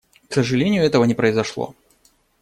К сожалению, этого не произошло.